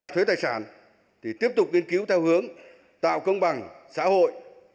thuế tài sản thì tiếp tục nghiên cứu theo hướng tạo công bằng xã hội